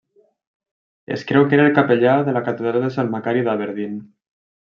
Es creu que era el capellà de la catedral de Sant Macari d'Aberdeen.